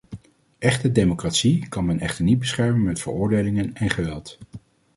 Echte democratie kan men echter niet beschermen met veroordelingen en geweld.